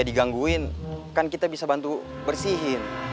digangguin kan kita bisa bantu bersihin